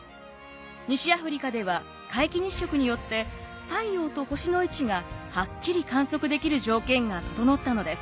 西アフリカでは皆既日食によって太陽と星の位置がはっきり観測できる条件が整ったのです。